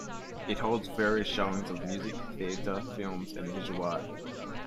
It holds various showings of music, theatre, films and visual art.